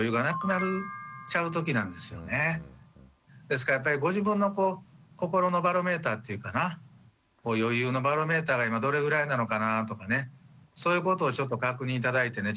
ですからやっぱりご自分の心のバロメーターっていうかな余裕のバロメーターが今どれぐらいなのかなとかねそういうことをちょっと確認頂いてね